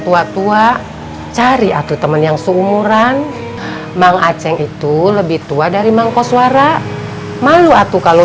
tua tua cari atuh temen yang seumuran mengaceng itu lebih tua dari mangkos warah malu atuh kalau